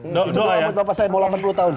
itu boleh buat bapak saya mau delapan puluh tahun